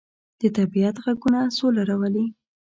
د طبیعت غږونه سوله راولي.